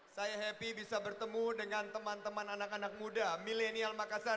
saya happy bisa bertemu dengan teman teman anak anak muda milenial makassar